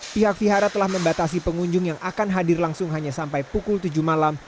pihak vihara telah membatasi pengunjung yang akan hadir langsung hanya sampai pukul tujuh malam